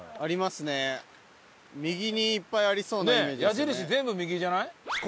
矢印全部右じゃない？